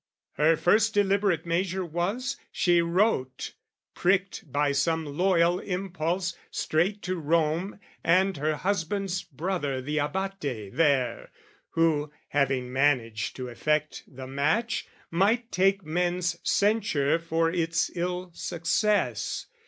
Her first deliberate measure was, she wrote, Pricked by some loyal impulse, straight to Rome And her husband's brother the Abate there, Who, having managed to effect the match, Might take men's censure for its ill success.